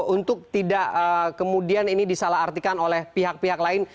untuk tidak kemudian ini disalah artikan oleh pihak pihak lain